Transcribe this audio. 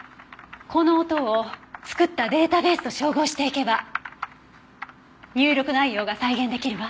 この音を作ったデータベースと照合していけば入力内容が再現出来るわ。